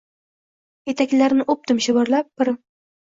Etaklarin o’pdim shivirlab: “Pirim…”